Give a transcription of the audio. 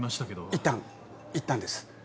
いったんいったんです。